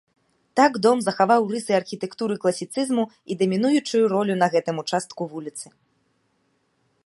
Так дом захаваў рысы архітэктуры класіцызму і дамінуючую ролю на гэтым участку вуліцы.